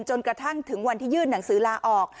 จนกระทั่งถึงวันที่ยื่นหนังสือลาออก